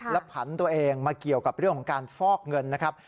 และผันตัวเองมาเกี่ยวกับเรื่องของการฟอกเงินนะครับ